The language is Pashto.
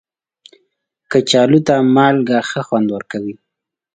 کچالو ته مالګه ښه خوند ورکوي